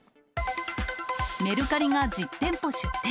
メルカリが実店舗出店。